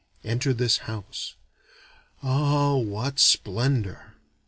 Enter this house. Ah what splendor!